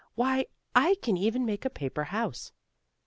Why I can even make a paper house."